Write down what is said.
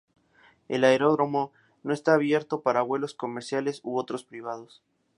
El aeródromo no está abierto para vuelos comerciales u otros privados.